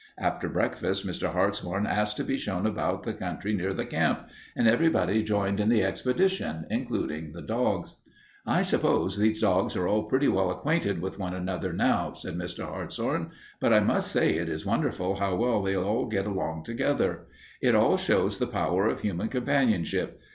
After breakfast Mr. Hartshorn asked to be shown about the country near the camp, and everybody joined in the expedition, including the dogs. "I suppose these dogs are all pretty well acquainted with one another now," said Mr. Hartshorn, "but I must say it is wonderful how well they get along together. It all shows the power of human companionship.